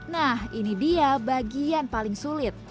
nah ini dia bagian paling sulit